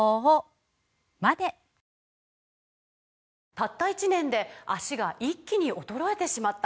「たった１年で脚が一気に衰えてしまった」